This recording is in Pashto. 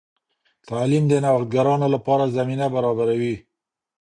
تعلیم د نوښتګرانو لپاره زمینه برابروي.